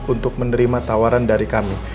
untuk menerima tawaran dari kami